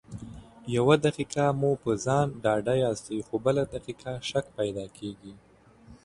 يو دقيقه کې مو په ځان ډاډه ياست خو بله دقيقه شک پیدا کېږي.